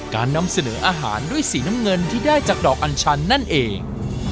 นำเสนออาหารด้วยสีน้ำเงินที่ได้จากดอกอัญชันนั่นเอง